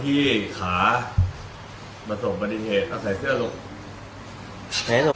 พี่ขาผสมบรรยาทีสิ้นอาจจะใส่เสื้อลูก